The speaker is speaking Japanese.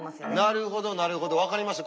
なるほどなるほど分かりました。